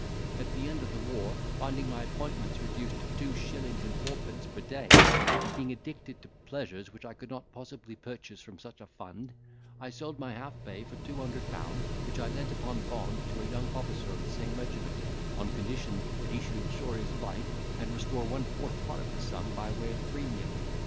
"At the end of the war, finding my appointments reduced to two shillings and fourpence per day, and being addicted to pleasures which I could not possibly purchase from such a fund, I sold my half pay for two hundred pounds, which I lent upon bond to a young officer of the same regiment, on condition that he should insure his life, and restore one fourth part of the sum by way of premium.